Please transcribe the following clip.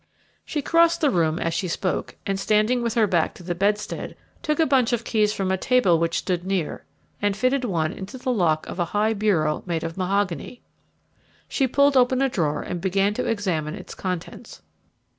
She crossed the room as she spoke, and standing with her back to the bedstead, took a bunch of keys from a table which stood near and fitted one into the lock of a high bureau made of mahogany. She pulled open a drawer and began to examine its contents.